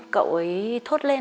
cậu ấy thốt lên